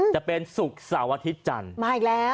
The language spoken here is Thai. จะเป็นศุกร์เสาร์อาทิตย์จันทร์มาอีกแล้ว